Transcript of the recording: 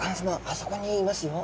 そこにいますよ。